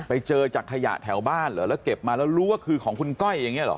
ไปเจอจากขยะแถวบ้านเหรอแล้วเก็บมาแล้วรู้ว่าคือของคุณก้อยอย่างนี้เหรอ